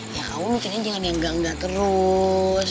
ya kamu mungkin jangan yang gangga terus